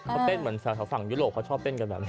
เขาเต้นเหมือนสาวฝั่งยุโรปเขาชอบเต้นกันแบบนี้